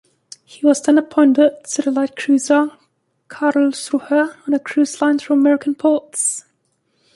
He was then appointed to the light cruiser Karlsruhe on a cruise line through American ports.